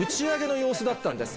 様子だったんです。